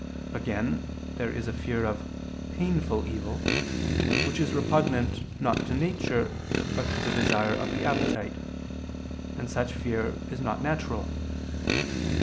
Again, there is a fear of "painful evil," which is repugnant not to nature, but to the desire of the appetite; and such fear is not natural.